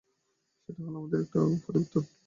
সেটা হল আমাদের মধ্যে একটা পরিবর্তন।